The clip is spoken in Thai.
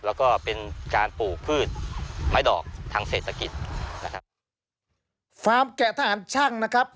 แล้วก็เป็นการปลูกพืชไม้ดอกทางเศรษฐกิจนะครับฟาร์มแกะทหารช่างนะครับ